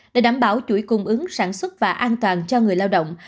để đảm bảo chuỗi cung ứng sản xuất và an toàn cho người lao động